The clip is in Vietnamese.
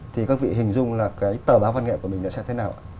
thì các vị hình dung là cái tờ báo văn nghệ của mình đã sẽ thế nào ạ